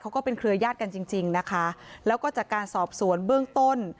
ก็เป็นเครือยาศกันจริงจริงนะคะแล้วก็จากการสอบสวนเบื้องต้น